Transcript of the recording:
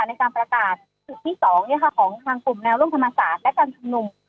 ในการประกาศสุดที่สองเนี่ยค่ะของทางกลุ่มแนวร่วมธรรมศาสตร์และการทางหนุ่ม